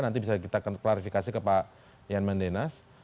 nanti bisa kita klarifikasi ke pak yan mandenas